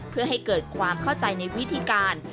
เพื่อให้เกิดความเข้าใจในวิธีการ